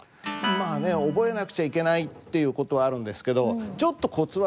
まあね覚えなくちゃいけないっていう事はあるんですけどちょっとコツはあるんですよ。